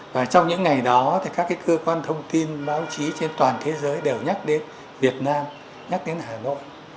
và trong những ngày đó thì các cơ quan thông tin báo chí trên toàn thế giới đều nhắc đến việt nam nhắc đến hà nội